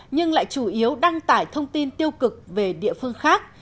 nhưng lại chủ yếu đăng tải thông tin tiêu cực về địa phương khác